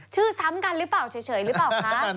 ซ้ำกันหรือเปล่าเฉยหรือเปล่าคะ